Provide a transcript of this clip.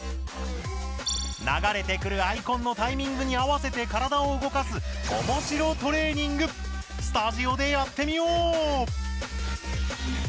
流れてくるアイコンのタイミングに合わせて体を動かすおもしろトレーニングスタジオでやってみよう！